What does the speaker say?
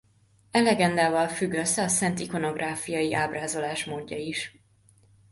E legendával függ össze a szent ikonográfiai ábrázolásmódja is.